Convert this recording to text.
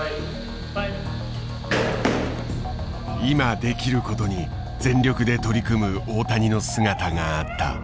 今できることに全力で取り組む大谷の姿があった。